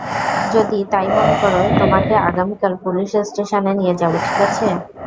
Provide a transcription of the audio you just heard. যদি তাই মনে করো, তোমাকে আগামীকাল পুলিশ স্টেশনে নিয়ে যাবো, ঠিক আছে?